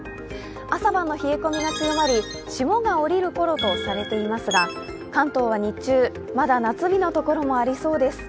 朝晩の冷え込みが強まり、霜が降りるころとされていますが、関東は日中、まだ夏日のところもありそうです。